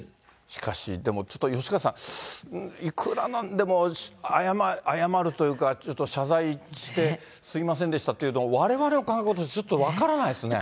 しかし、でも、ちょっと吉川さん、いくらなんでも謝るというか、ちょっと謝罪して、すみませんでしたっていうの、われわれの感覚と、ちょっと分からないですね。